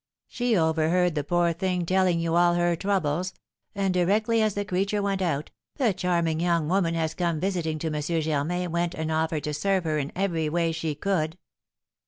She overheard the poor thing telling you all her troubles; and directly as the creature went out, the charming young woman as come visiting to M. Germain went and offered to serve her in every way she could.'"